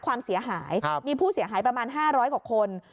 ความเสียหายมีผู้เสียหายประมาณ๕๐๐กว่าคน